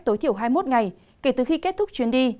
tối thiểu hai mươi một ngày kể từ khi kết thúc chuyến đi